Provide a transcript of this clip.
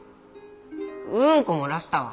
うんこ漏らしたわ。